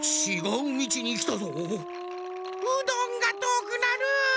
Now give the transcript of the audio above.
うどんがとおくなる。